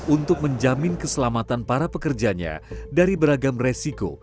untuk menjamin keselamatan para pekerjanya dari beragam resiko